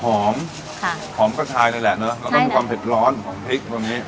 หอมค่ะหอมกระชายเลยแหละเนอะแล้วก็มีความเผ็ดร้อนของพริกตัวนี้